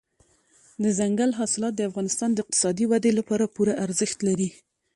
دځنګل حاصلات د افغانستان د اقتصادي ودې لپاره پوره ارزښت لري.